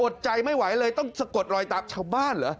ใจไม่ไหวเลยต้องสะกดรอยตามชาวบ้านเหรอ